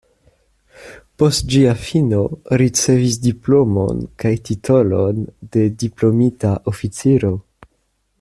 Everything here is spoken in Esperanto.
Post ĝia fino ricevis diplomon kaj titolon de diplomita oficiro.